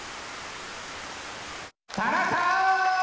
「田中！」。